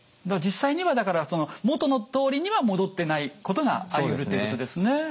実際にはだから元のとおりには戻ってないことがありうるということですね。